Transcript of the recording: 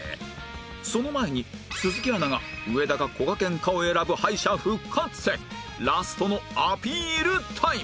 その前に鈴木アナが上田かこがけんかを選ぶ敗者復活戦ラストのアピールタイム